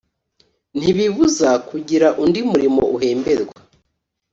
ntibibuza kugira undi murimo uhemberwa